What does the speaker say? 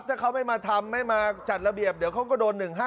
ถ้าเขาไม่มาทำไม่มาจัดระเบียบเดี๋ยวเขาก็โดน๑๕